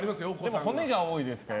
でも、骨が多いですから。